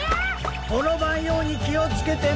ころばんようにきをつけてな。